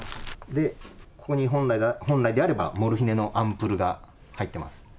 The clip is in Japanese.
で、ここに本来であればモルヒネのアンプルが入ってます。